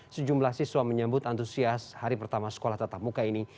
sejumlah siswa menyambut antusias hari pertama sekolah tatap muka ini